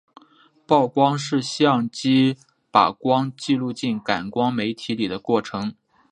曝光是相机把光记录进感光媒体里的过程。